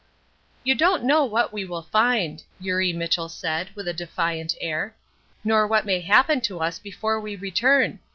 "You don't know what we will find," Eurie Mitchell said, with a defiant air. "Nor what may happen to us before we return.